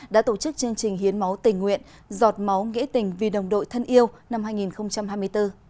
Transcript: đã tổ chức chương trình hiến máu tình nguyện giọt máu nghĩa tình vì đồng đội thân yêu năm hai nghìn hai mươi bốn